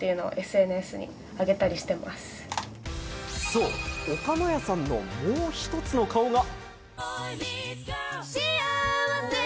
そう、おかのやさんのもう一つの顔が。